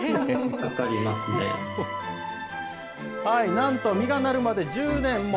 なんと実がなるまで１０年も。